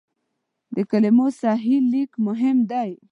د کلمو صحیح لیک مهم دی.